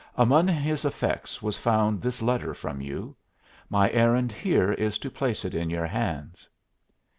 Among his effects was found this letter from you. My errand here is to place it in your hands."